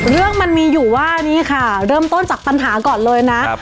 เรื่องมันมีอยู่ว่านี่ค่ะเริ่มต้นจากปัญหาก่อนเลยนะ